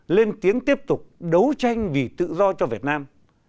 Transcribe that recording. lên tiếng tiếp tục đấu tranh vì tự do cho việt nam